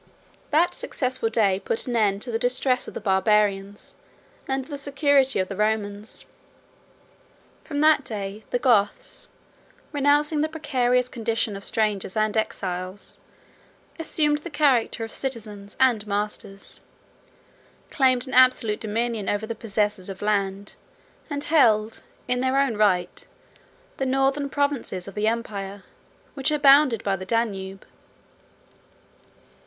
"That successful day put an end to the distress of the Barbarians, and the security of the Romans: from that day, the Goths, renouncing the precarious condition of strangers and exiles, assumed the character of citizens and masters, claimed an absolute dominion over the possessors of land, and held, in their own right, the northern provinces of the empire, which are bounded by the Danube."